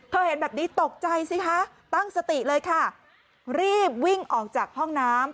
เห็นแบบนี้ตกใจสิคะตั้งสติเลยค่ะรีบวิ่งออกจากห้องน้ำ